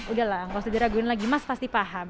udah lah kalo sudah diraguin lagi mas pasti paham